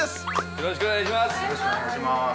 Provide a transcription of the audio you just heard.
よろしくお願いします